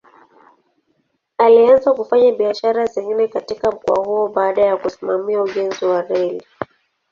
Alianza kufanya biashara zingine katika mkoa huo baada ya kusimamia ujenzi wa reli.